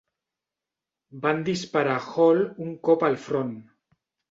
Van disparar a Hall un cop al front.